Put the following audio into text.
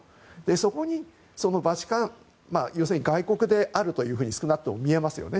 そこにバチカン、要するに外国であるというふうに少なくとも見えますよね